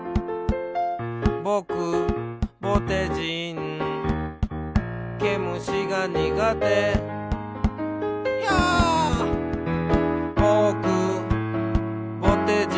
「ぼくぼてじん」「けむしがにがて」「ひゃっ」「ぼくぼてじん」